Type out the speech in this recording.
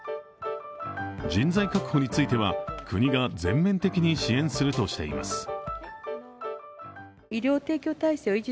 人材確保については国が全面的に支援するとしています。